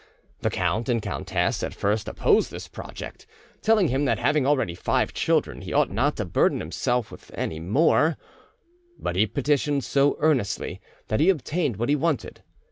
The count and countess at first opposed this project; telling him that having already five children he ought not to burden himself with any more, but he petitioned so earnestly that he obtained what he wanted.